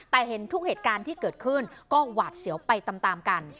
แต่เห็นทุกเหตุการณ์ที่เกิดขึ้นก็หวาดเสียวไปตามกัน